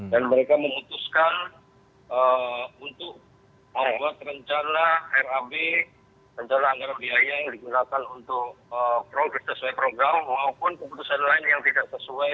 dan mereka memutuskan untuk membuat rencana rab rencana anggaran biaya yang digunakan untuk progres sesuai program maupun keputusan lain yang tidak sesuai